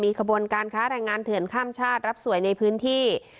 ขบวนการค้าแรงงานเถื่อนข้ามชาติรับสวยในพื้นที่